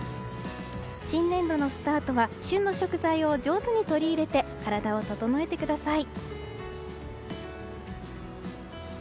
新年度のスタートは旬の食材を上手に取り入れて体を整えてください。